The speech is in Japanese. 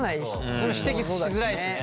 でも指摘しづらいしね。